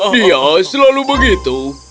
dia selalu begitu